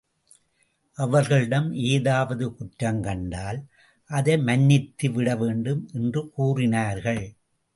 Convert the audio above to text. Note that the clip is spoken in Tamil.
அவர்களிடம் ஏதாவது குற்றம் கண்டால், அதை மன்னித்து விடவேண்டும் என்று கூறினார்கள்.